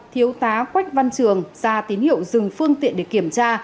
thiếu tá quách văn trường ra tín hiệu dừng phương tiện để kiểm tra